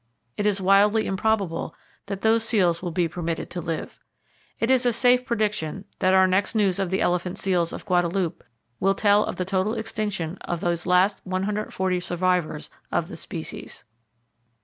It is wildly improbable that those seals will be permitted to live. It is a safe prediction that our next news of the elephant seals of Guadalupe will tell of the total extinction of those last 140 survivors of the species.